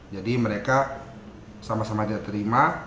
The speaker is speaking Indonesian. jadi mereka sama sama tidak terima